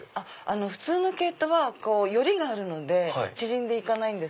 普通の毛糸はよりがあるので縮んでいかないんです。